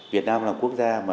việt nam là quốc gia mà